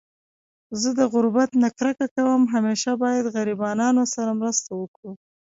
زه د غربت نه کرکه کوم .همیشه باید غریبانانو سره مرسته وکړو